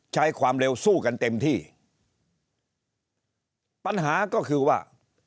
ใช้ความเร็วสู้กันเต็มที่ปัญหาก็คือว่า